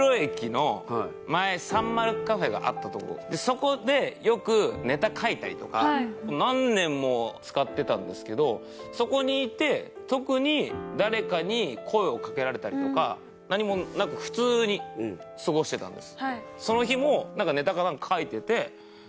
そこでよくネタ書いたりとか何年も使ってたんですけどそこにいて特に誰かに声をかけられたりとか何もなく普通に過ごしてたんです。